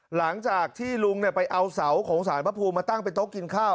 หลังจากที่ลุงไปเอาเสาของสารพระภูมิมาตั้งเป็นโต๊ะกินข้าว